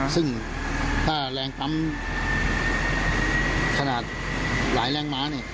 ซึ่งถ้าแรงคล้ำขนาดหลายแรงม้า